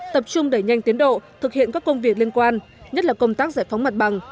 tập trung đẩy nhanh tiến độ thực hiện các công việc liên quan nhất là công tác giải phóng mặt bằng